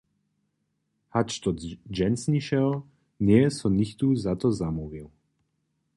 Hač do dźensnišeho njeje so nichtó za to zamołwił.